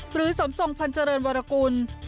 สมทรงพันธ์เจริญวรกุล